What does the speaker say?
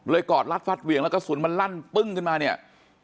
กอดรัดฟัดเหวี่ยงแล้วกระสุนมันลั่นปึ้งขึ้นมาเนี่ย